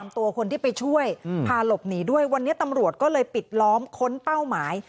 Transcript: ตัวคนที่ไปช่วยพาหลบหนีด้วยวันนี้ตำรวจก็เลยปิดล้อมค้นเป้าหมาย